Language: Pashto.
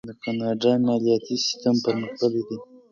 د کاناډا مالیاتي سیستم پرمختللی دی.